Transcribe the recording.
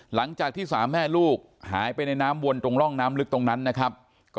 หลังจากที่สามแม่ลูกหายไปในน้ำวนตรงร่องน้ำลึกตรงนั้นนะครับ